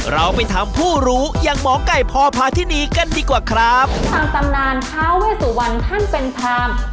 เราไปถามผู้รู้อย่างหมอไก่พอพาทินีกันดีกว่าครับทางตำนานท้าเวสุวรรณท่านเป็นพราม